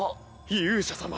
勇者様